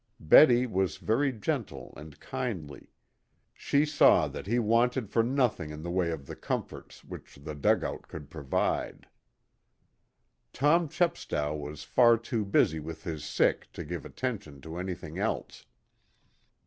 Betty was very gentle and kindly. She saw that he wanted for nothing in the way of the comforts which the dugout could provide. Tom Chepstow was far too busy with his sick to give attention to anything else.